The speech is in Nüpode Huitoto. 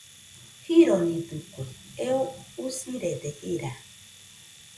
Jironidɨkue, eo usirena jira.